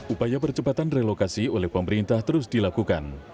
upaya percepatan relokasi oleh pemerintah terus dilakukan